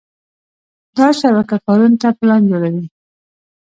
دا شبکه کارونو ته پلان جوړوي.